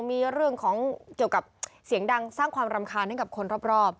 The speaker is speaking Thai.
มีเรื่องของเกี่ยวกับเสียงดังสร้างความรำคาญให้กับคนรอบ